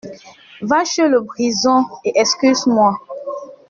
Va chez le Brison et excuse-moi.